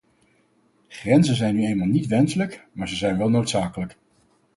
Grenzen zijn nu eenmaal niet wenselijk maar ze zijn wel noodzakelijk.